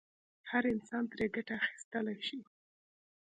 هر انسان ترې ګټه اخیستلای شي.